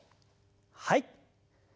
はい。